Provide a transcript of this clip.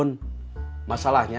tidak ada apa apa